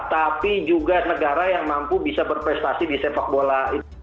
tapi juga negara yang mampu bisa berprestasi di sepak bola